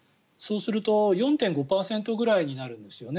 そうすると４．５％ぐらいになるんです。